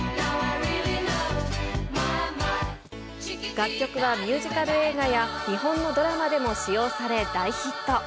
楽曲はミュージカル映画や、日本のドラマでも使用され、大ヒット。